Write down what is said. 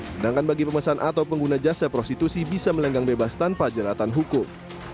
sedangkan bagi pemesan atau pengguna jasa prostitusi bisa melenggang bebas tanpa jeratan hukum